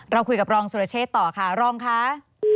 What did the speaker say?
เราคุยกับรองสุรเชษต่อค่ะรองค่ะ